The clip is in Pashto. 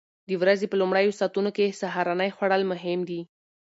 د ورځې په لومړیو ساعتونو کې سهارنۍ خوړل مهم دي.